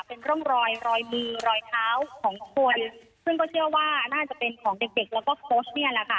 เป็นร่องรอยรอยมือรอยเท้าของคนซึ่งก็เชื่อว่าน่าจะเป็นของเด็กเด็กแล้วก็โค้ชเนี่ยแหละค่ะ